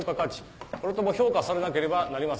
もろとも評価されなければなりません。